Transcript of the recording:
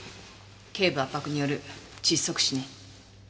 頸部圧迫による窒息死ね。